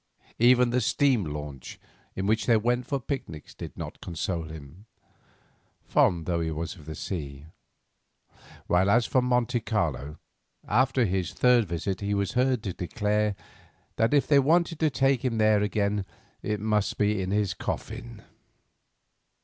Even the steam launch in which they went for picnics did not console him, fond though he was of the sea; while as for Monte Carlo, after his third visit he was heard to declare that if they wanted to take him there again it must be in his coffin.